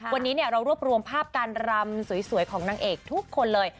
วันนี้เรารวบรวมภาพการรำสวยของนางเอกทุกคนเลย